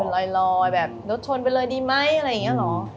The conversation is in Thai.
ลอยแบบรถชนไปเลยดีไหมอะไรอย่างนี้เหรอ